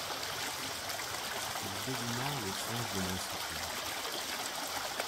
Il devina le sens de mon sourire.